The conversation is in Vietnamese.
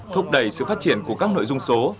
thúc đẩy sự phát triển của các nội dung số